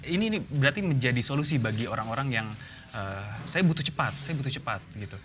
ini berarti menjadi solusi bagi orang orang yang saya butuh cepat saya butuh cepat